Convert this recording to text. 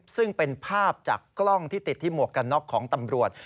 ซึ่งเป็นภาพจากกล้องที่ติดที่หมวกกันน็อกของตำรวจ